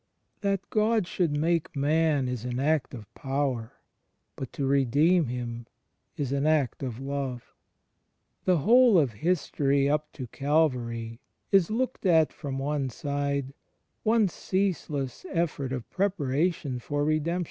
That God should make man is an act of power; but to redeem him is an act of Love. ... The whole of history up to Calvary is, looked at from one side, one ceaseless effort of preparation for Redemp ^ John ziz : 30.